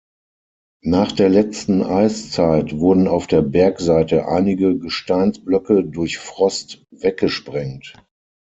Nach der letzten Eiszeit wurden auf der Bergseite einige Gesteinsblöcke durch Frost weggesprengt.